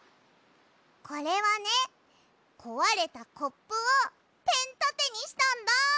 これはねこわれたコップをペンたてにしたんだ！